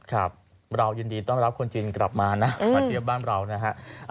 ครับเรายินดีต้อนรับคนจีนกลับมานะมาเที่ยวบ้านเรานะฮะ